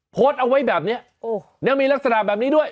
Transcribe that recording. โพสต์เอาไว้แบบนี้แล้วมีลักษณะแบบนี้ด้วย